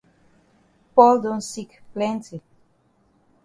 Paul don sick plenti.